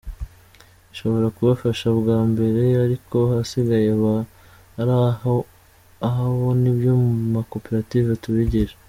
Ishobora kubafasha bwa mbere, ariko ahasigaye aba ari ahabo, nibyo mu makoperative tubigisha.